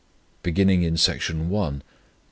Beginning in Section I.